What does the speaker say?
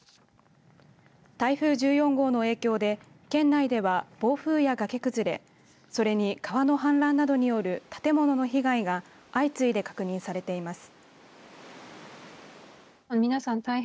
台風１４号の影響で県内では暴風や崖崩れそれに川の氾濫などによる建物の被害が相次いで確認されています。